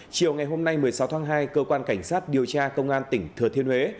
chiều ngày hôm nay một mươi sáu tháng hai cơ quan cảnh sát điều tra công an tỉnh thừa thiên huế